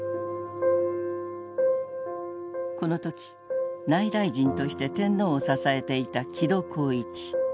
この時内大臣として天皇を支えていた木戸幸一。